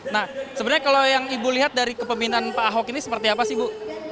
nah sebenarnya kalau yang ibu lihat dari kepemimpinan pak ahok ini seperti apa sih bu